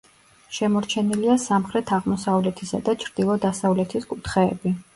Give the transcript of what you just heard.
შემორჩენილია სამხრეთ-აღმოსავლეთისა და ჩრდილო-დასავლეთის კუთხეები.